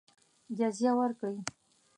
جزیه ورکړي.